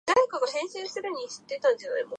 おばあさんは背中に担いで家に帰り、その桃を切ろうとする